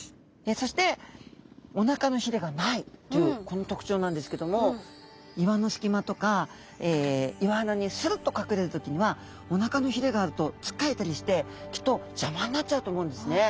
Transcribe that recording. そしておなかのひれがないというこの特徴なんですけども岩の隙間とか岩穴にするっと隠れる時にはおなかのひれがあるとつっかえたりしてきっと邪魔になっちゃうと思うんですね。